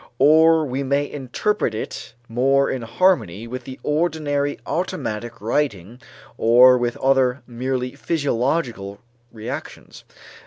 Or we may interpret it more in harmony with the ordinary automatic writing or with other merely physiological reactions.